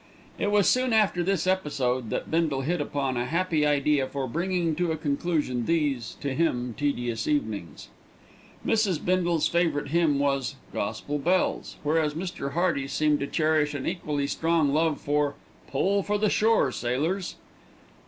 It was soon after this episode that Bindle hit upon a happy idea for bringing to a conclusion these, to him, tedious evenings. Mrs. Bindle's favourite hymn was "Gospel Bells," whereas Mr. Hearty seemed to cherish an equally strong love for "Pull for the Shore, Sailors."